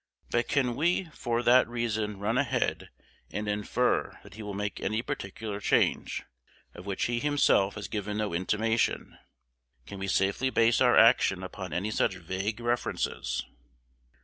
But can we for that reason run ahead, and infer that he will make any particular change, of which he himself has given no intimation? Can we safely base our action upon any such vague inferences?